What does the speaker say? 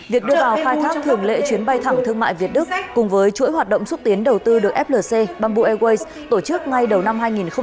việc đưa vào khai thác thường lệ chuyến bay thẳng thương mại việt đức cùng với chuỗi hoạt động xúc tiến đầu tư được flc bamboo airways tổ chức ngay đầu năm hai nghìn hai mươi